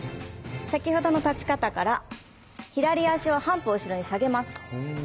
先ほどの立ち方から左足を半歩後ろに下げます。